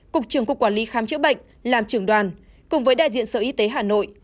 cục trưởng cục quản lý khám chữa bệnh làm trưởng đoàn cùng với đại diện sở y tế hà nội